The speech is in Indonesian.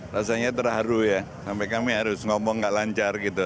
rasanya terharu ya sampai kami harus ngomong gak lancar gitu